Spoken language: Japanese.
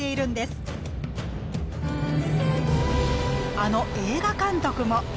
あの映画監督も！